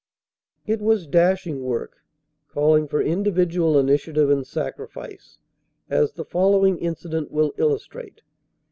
It was dashing work, calling for individual initiative and sacrifice, as the following incident will illustrate.